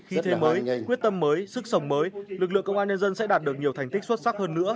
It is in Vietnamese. khi thế mới quyết tâm mới sức sống mới lực lượng công an nhân dân sẽ đạt được nhiều thành tích xuất sắc hơn nữa